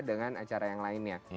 dengan acara yang lainnya